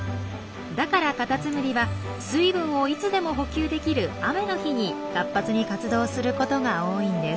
だからカタツムリは水分をいつでも補給できる雨の日に活発に活動することが多いんです。